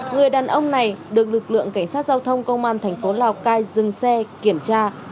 người đàn ông này được lực lượng cảnh sát giao thông công an thành phố lào cai dừng xe kiểm tra